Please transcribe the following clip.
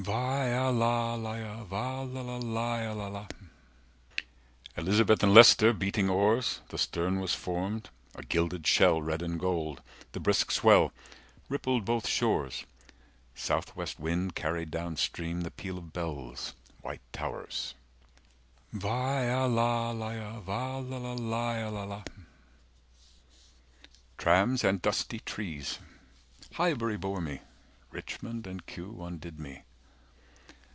Weialala leia Wallala leialala Elizabeth and Leicester Beating oars 280 The stern was formed A gilded shell Red and gold The brisk swell Rippled both shores 285 South west wind Carried down stream The peal of bells White towers Weialala leia 290 Wallala leialala "Trams and dusty trees. Highbury bore me. Richmond and Kew Undid me.